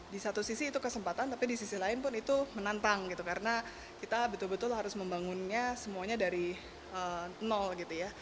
di satu sisi itu kesempatan tapi di sisi lain pun itu menantang gitu karena kita betul betul harus membangunnya semuanya dari nol gitu ya